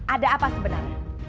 ada apa sebenarnya